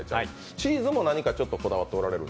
チーズも何かこだわってらっしゃる。